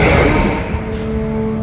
dan yang lebih baik adalah